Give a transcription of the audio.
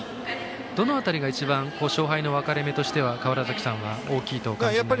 どの辺りが一番、勝敗の分かれ目としては川原崎さんは大きいと感じていますか。